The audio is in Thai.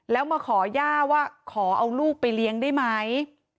แล้วมาขอย่าว่าขอเอาลูกไปเลี้ยงได้ไหม